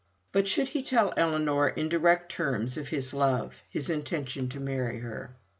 But should he tell Ellinor in direct terms of his love his intention to marry her?